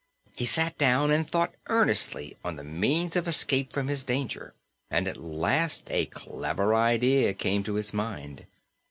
He sat down and thought earnestly on the means of escape from his danger and at last a clever idea came to his mind.